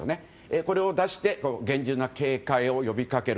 これを出して厳重な警戒を呼び掛ける。